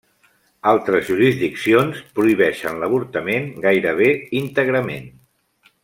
Altres jurisdiccions prohibeixen l'avortament gairebé íntegrament.